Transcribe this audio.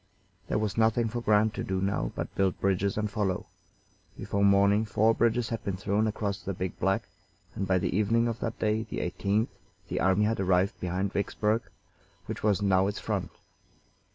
There was nothing for Grant to do now but build bridges and follow. Before morning four bridges had been thrown across the Big Black, and by the evening of that day, the 18th, the army had arrived behind Vicksburg, which was now its front.